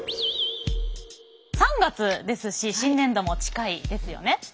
３月ですし新年度も近いですよね。